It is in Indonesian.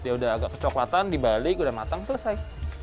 dia udah agak kecoklatan dibalik udah matang selesai